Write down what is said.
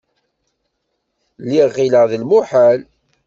Lliɣ ɣilleɣ d lmuḥal.